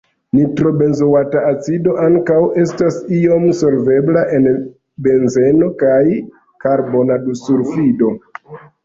Nitrobenzoata acido ankaŭ estas iom solvebla en benzeno kaj karbona dusulfido.